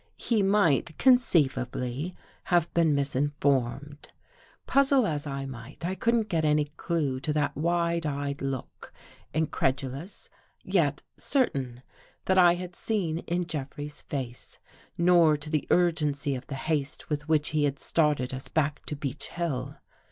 He might conceivably have been misin formed. Puzzle as I might, I couldn't get any clue to that ; wide eyed look — incredulous, yet certain — that I had seen in Jeffrey's face, nor to the urgency of the haste with which he had started us back to Beech Hill.